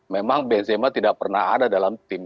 memang benzema tidak pernah ada dalam tim